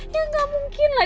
ya gak mungkin lah